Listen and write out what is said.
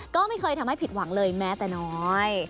ก็ไม่เคยทำให้ผิดหวังเลยแม้แต่น้อย